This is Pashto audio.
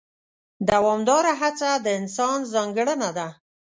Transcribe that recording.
دوامداره هڅه د انسان ځانګړنه ده.